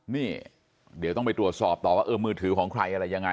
นี่เดี๋ยวต้องไปตรวจสอบต่อว่าเออมือถือของใครอะไรยังไง